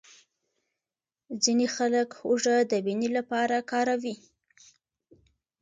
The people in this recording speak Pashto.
ځینې خلک هوږه د وینې لپاره کاروي.